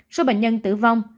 số bệnh nhân tử vong